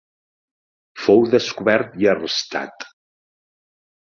Fou descobert i arrestat.